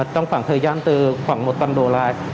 trong khoảng thời gian từ khoảng một trăm linh đô la